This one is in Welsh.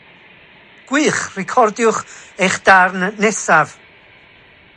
Mae'r ffordd o chwarae'r gêm yn weddol debyg i mancala.